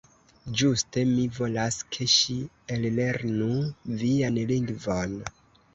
Ĝuste, mi volas, ke ŝi ellernu vian lingvon.